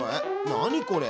何これ？